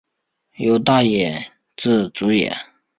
由大野智主演。